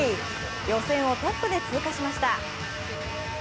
予選をトップで通過しました。